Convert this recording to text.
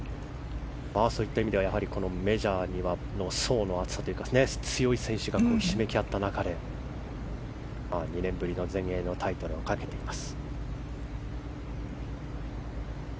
そういう意味ではメジャーの層の厚さというか強い選手がひしめき合った中で２年ぶりの全英のタイトルをかけています。